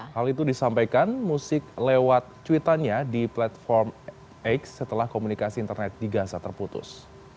hal itu disampaikan musik lewat tweetannya di platform x setelah komunikasi internet di gaza terputus